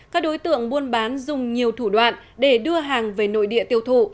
các đối tượng buôn bán dùng nhiều thủ đoạn để đưa hàng về nội địa tiêu thụ